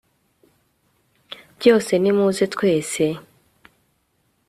byose; nimuze twese